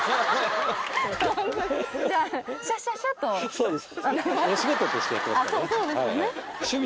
そうです。